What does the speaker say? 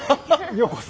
ようこそ。